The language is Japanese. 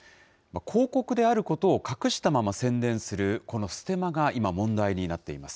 広告であることを隠したまま宣伝するこのステマが今、問題になっています。